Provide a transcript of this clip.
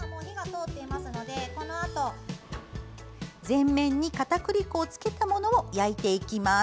全面にかたくり粉をつけたものを焼いていきます。